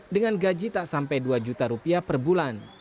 dengan gaji tak sampai dua juta rupiah per bulan